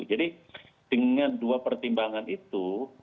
jadi dengan dua pertimbangan itu